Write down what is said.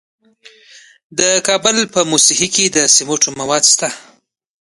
د کابل په موسهي کې د سمنټو مواد شته.